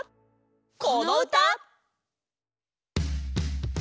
このうた！